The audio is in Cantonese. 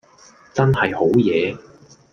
真係好嘢￼￼